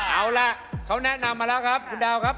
เอาล่ะเขาแนะนำมาแล้วครับคุณดาวครับ